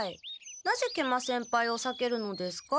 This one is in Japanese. なぜ食満先輩をさけるのですか？